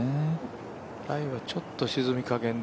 ライはちょっと沈み加減だ。